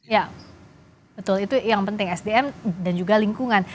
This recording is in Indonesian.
ya betul itu yang penting sdm dan juga lingkungan